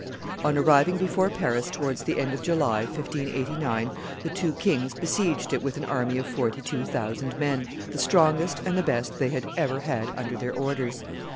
On arriving before Paris towards the end of July, 1589, the two kings besieged it with an army of forty two thousand men, the strongest and the best they had ever had under their orders.